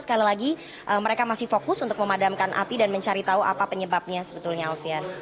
sekali lagi mereka masih fokus untuk memadamkan api dan mencari tahu apa penyebabnya sebetulnya alfian